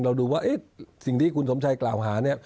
เร็วดูว่าเฮ้ยสิ่งที่คุณสมชัยกล่าวหา